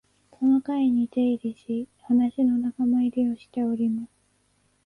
その会に出入りし、話の仲間入りをしております